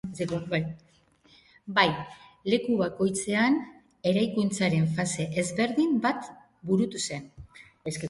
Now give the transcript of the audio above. Bai, leku bakoitzean eraikuntzaren fase ezberdin bat burutu zen.